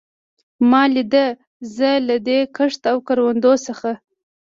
ما لیده، زه له دې کښت او کروندو څخه.